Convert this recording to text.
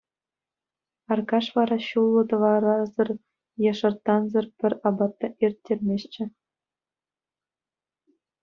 Аркаш вара ҫуллӑ тӑварасӑр е шӑрттансӑр пӗр апат та ирттерместчӗ.